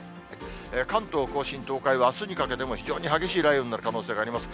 関東甲信、東海はあすにかけても非常に激しい雷雨になる可能性があります。